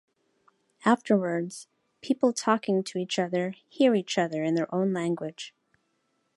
Afterwards, people talking to each other hear each other in their own language.